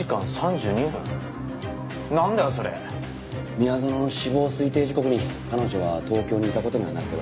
宮園の死亡推定時刻に彼女は東京にいた事にはなるけど。